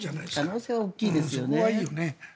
可能性は大きいですよね。